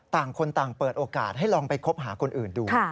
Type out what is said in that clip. ต่างคนต่างเปิดโอกาสให้ลองไปคบหาคนอื่นดู